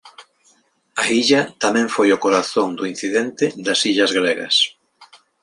A illa tamén foi o corazón do incidente das illas gregas.